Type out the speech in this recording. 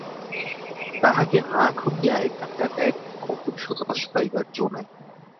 তাঁহাকে না খুঁড়িয়া এখানকার এক গণ্ডূষও রস পাইবার জো নাই।